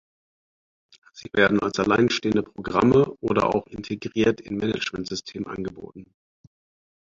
Sie werden als alleinstehende Programme oder auch integriert in Managementsystemen angeboten.